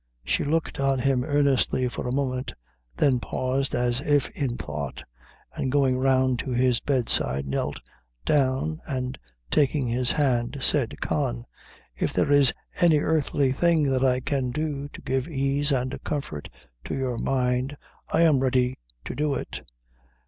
She looked on him earnestly for a moment, then paused as if in thought, and going round to his bedside, knelt down, and taking his hand, said "Con, if there is any earthly thing that I can do to give ease and comfort to your mind, I am ready to do it.